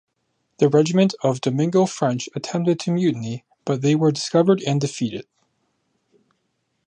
The regiment of Domingo French attempted to mutiny, but they were discovered and defeated.